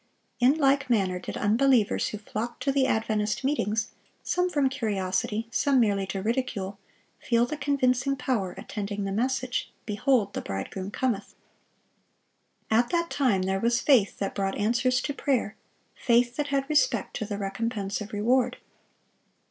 (658) In like manner did unbelievers who flocked to the Adventist meetings—some from curiosity, some merely to ridicule—feel the convincing power attending the message, "Behold, the Bridegroom cometh!" At that time there was faith that brought answers to prayer,—faith that had respect to the recompense of reward.